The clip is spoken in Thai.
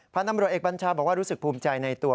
พันธุ์ตำรวจเอกบัญชาบอกว่ารู้สึกภูมิใจในตัว